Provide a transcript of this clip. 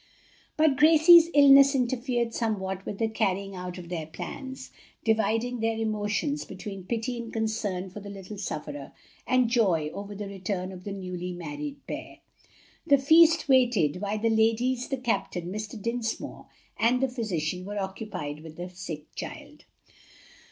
But Gracie's illness interfered somewhat with the carrying out of their plans, dividing their emotions between pity and concern for the little sufferer, and joy over the return of the newly married pair. The feast waited while the ladies, the captain, Mr. Dinsmore, and the physician were occupied with the sick child.